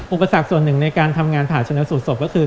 อุปสรรคส่วนหนึ่งในการทำงานผ่าชนะสูตรศพก็คือ